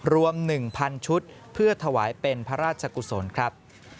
รวม๑๐๐ชุดเพื่อถวายเป็นพระราชกุศลครับ